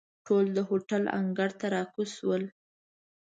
ټول د هوټل انګړ ته را کوز شول.